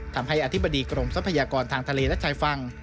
ทำให้อธิบดีกรมทรัพยากรทางทะเลและชายฝั่ง